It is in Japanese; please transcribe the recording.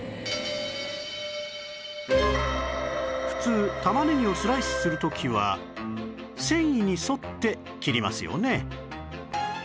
普通玉ねぎをスライスする時は繊維に沿って切りますよね